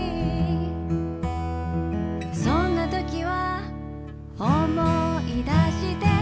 「そんな時は思い出して」